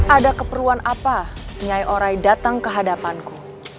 ada keperluan apa nyai orai datang kehadapanku